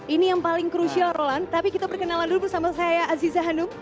ini yang paling krusial roland tapi kita perkenalan dulu bersama saya aziza hanum